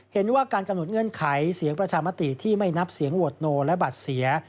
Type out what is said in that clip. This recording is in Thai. เห็นว่าการกำหนดเงื่อนไขเสียงประชามติที่ไม่นับเสียงโหวตโนและบัตรเสีย